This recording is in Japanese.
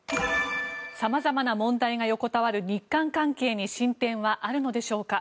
様々な問題が横たわる日韓関係に進展はあるのでしょうか。